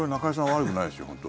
悪くないですよ、本当。